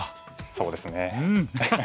そうですね。